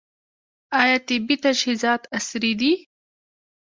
آیا طبي تجهیزات عصري دي؟